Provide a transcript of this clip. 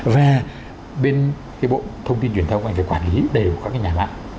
và bên cái bộ thông tin truyền thông anh phải quản lý đều các cái nhà mạng